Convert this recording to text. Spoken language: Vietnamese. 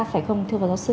phải không thưa bà giáo sư